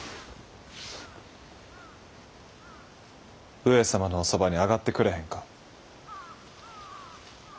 上様のおそばに上がってくれへんか？